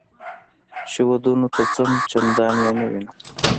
چې ودونو ته ځم چندان یې نه وینم.